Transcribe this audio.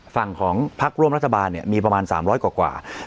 ฝั่งของพักร่วมรัฐบาลเนี่ยมีประมาณ๓๐๐กว่า